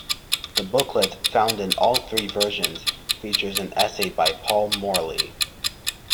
The booklet, found in all three versions, features an essay by Paul Morley.